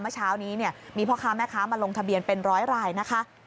เมื่อเช้านี้มีพ่อค้าแม่ค้ามาลงทะเบียนเป็นร้อยรายนะคะ